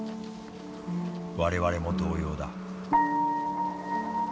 我々も同様だ」。